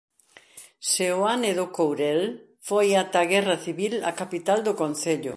Seoane do Courel foi ata a guerra civil a capital do concello.